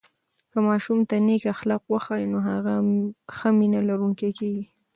که ماشوم ته نیک اخلاق وښیو، نو هغه ښه مینه لرونکی کېږي.